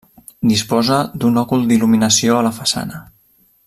Disposa d'un òcul d'il·luminació a la façana.